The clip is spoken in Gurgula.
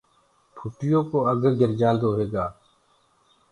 ڦُٽِيو ڪو اَگھ گِرجآنٚدو هيگآ